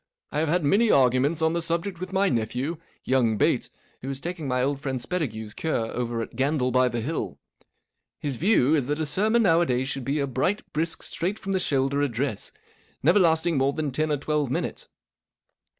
I have had many arguments on the subject with my nephew, young Bates, who * is taking my old friend Spettigue's cure over at Gandle by the Hill. His view is that a sermon nowadays should be a bright, brisk, straight from the shoulder address, never lasting more than ten or twelve minutes."